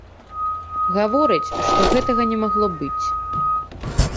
Гаворыць, што гэтага не магло быць.